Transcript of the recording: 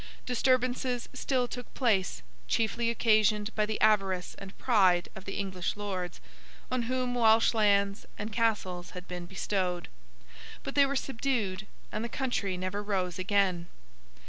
Disturbances still took place, chiefly occasioned by the avarice and pride of the English Lords, on whom Welsh lands and castles had been bestowed; but they were subdued, and the country never rose again.